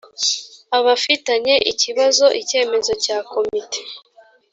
abafitanye ikibazo icyemezo cya komite